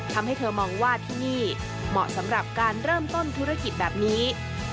ทำให้เธอมองว่าที่นี่เหมาะสำหรับการเริ่มต้นธุรกิจแบบนี้